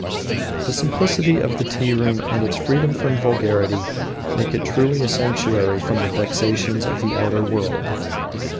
The simplicity of the tea room and its freedom from vulgarity make it truly a sanctuary from the vexations of the outer world.